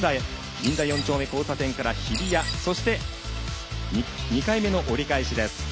銀座４丁目交差点から日比谷そして２回目の折り返しです。